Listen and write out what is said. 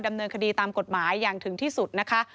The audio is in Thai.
ดำเนินคดีตามกฎหมายอย่างถึงที่สุดนะคะ